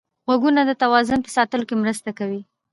غوږونه د توازن په ساتلو کې مرسته کوي